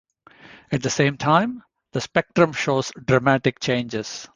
At the same time, the spectrum shows dramatic changes.